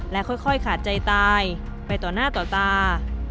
ค่อยขาดใจตายไปต่อหน้าต่อตา